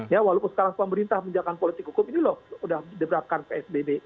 ya walaupun sekarang pemerintah menjalankan politik hukum ini loh udah menerapkan psbb